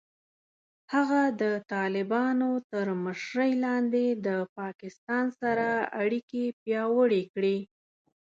هغه د طالبانو تر مشرۍ لاندې د پاکستان سره اړیکې پیاوړې کړې.